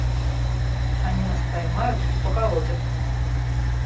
– Они нас поймают и поколотят.